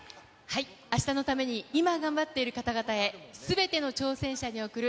あしたのために今頑張っている方々へ、すべての挑戦者におくる！